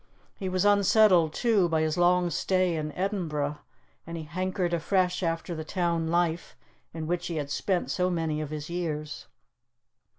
He was unsettled, too, by his long stay in Edinburgh, and he hankered afresh after the town life in which he had spent so many of his years.